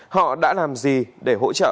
họ đã làm gì để hỗ trợ